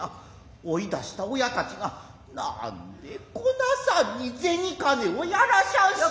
追い出した親達が何んでこなさんに銭金をやらしゃんしょう。